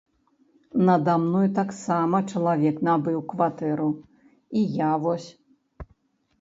Нада мной таксама чалавек набыў кватэру, і я вось.